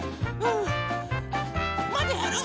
まだやる？